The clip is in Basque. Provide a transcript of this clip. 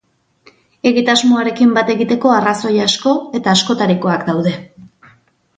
Egitasmoarekin bat egiteko arrazoi asko eta askotarikoak daude.